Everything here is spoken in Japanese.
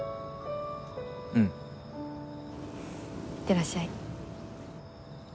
うん。いってらっしゃい。